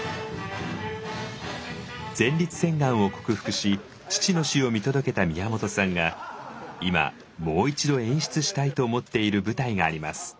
前立腺がんを克服し父の死を見届けた宮本さんが今もう一度演出したいと思っている舞台があります。